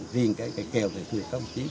riêng cái keo này thêm một chút